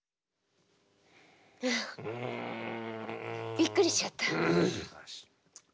びっくりしちゃった。